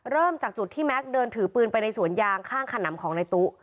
เริ่มจากจุดที่แม็กซ์เดินถือปืนไปในสวนยางข้างขนำของในตู้